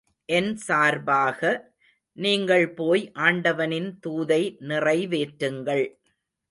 என் சார்பாக, நீங்கள் போய் ஆண்டவனின் தூதை நிறைவேற்றுங்கள்.